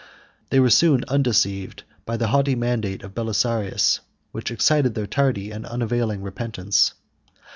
They were soon undeceived by the haughty mandate of Belisarius, which excited their tardy and unavailing repentance.